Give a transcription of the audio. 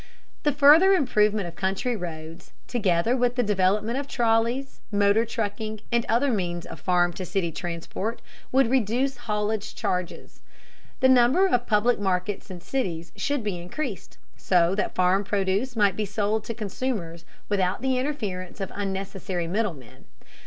The further improvement of country roads, together with the development of trolleys, motor trucking and other means of farm to city transport would reduce haulage charges. The number of public markets in cities should be increased, so that farm produce might be sold to consumers without the interference of unnecessary middlemen.